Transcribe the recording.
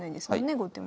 後手も。